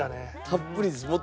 たっぷりです。